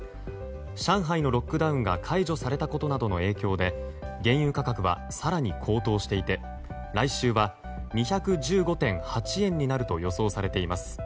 上海のロックダウンが解除されたことなどの影響で原油価格は更に高騰していて来週は２１５．８円になると予想されています。